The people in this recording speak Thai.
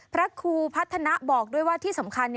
พระครูพัฒนาบอกด้วยว่าที่สำคัญ